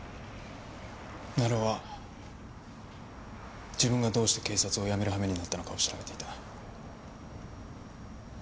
成尾は自分がどうして警察を辞めるはめになったのかを調べていた。